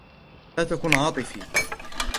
لا تكن عاطفى